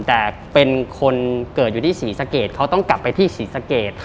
แต่เป็นคนเกิดอยู่ที่ศรีสะเกดเขาต้องกลับไปที่ศรีสะเกด